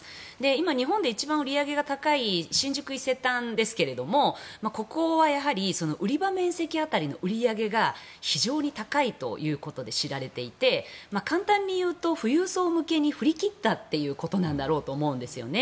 今、日本で一番売り上げが高い新宿伊勢丹ですがここはやはり売り場面積当たりの売り上げが非常に高いということで知られていて簡単にいうと富裕層向けに振り切ったということなんだろうと思うんですよね。